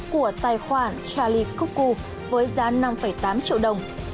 của tài khoản charlie coopku với giá năm tám triệu đồng